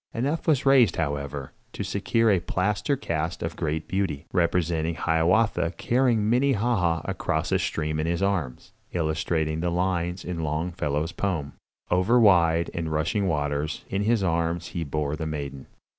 Enough was raised, however, to secure a plaster cast of great beauty, representing Hiawatha carrying Minnehaha across a stream in his arms, illustrating the lines in Longfellow's poem: "Over wide and rushing rivers In his arms he bore the maiden."